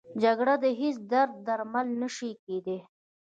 جګړه د هېڅ درد درمل نه شي کېدی